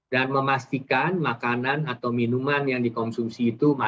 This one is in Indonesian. dan memastikan makanan atau minuman yang dikonsumsi itu matang